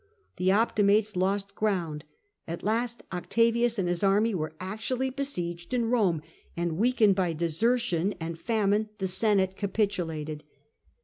The Optimates lost ground; at last Octavius and his army were actually besieged in Rome, and, weakened by desertion and famine, the Senate capitulated.